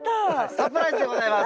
サプライズでございます！